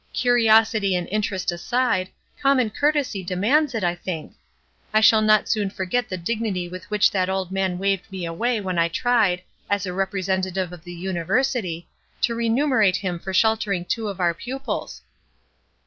Curiosity and interest aside, common courtesy demands it, I think. I shall not soon forget the dignity with which that old man waved me away when I tried, as a representative of the university, to remunerate him for sheltering two of our pupils."